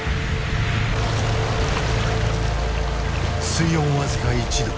水温僅か１℃。